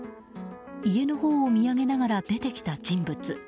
家のほうを見上げながら出てきた人物。